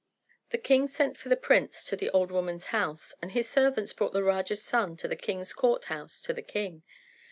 The king sent for the prince to the old woman's house, and his servants brought the Raja's son to the king's court house to the king.